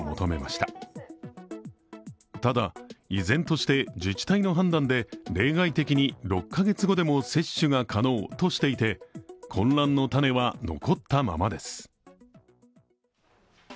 ただ、依然として自治体の判断で例外的に６カ月後でも接種が可能としていて、混乱の種は残ったままです。